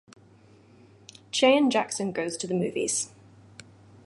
Cheyenne Jackson Goes to the Movies.